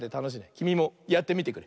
きみもやってみてくれ！